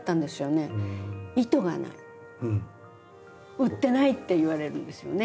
「売ってない」って言われるんですよね。